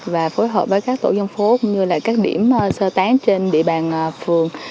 và phối hợp với các tổ dân phố cũng như là các điểm sơ tán trên địa bàn phường